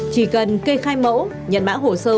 chỉ cần kê khai mẫu nhận mã hồ sơ